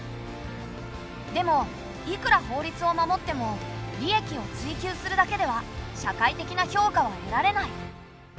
でもいくら法律を守っても利益を追求するだけでは社会的な評価は得られない。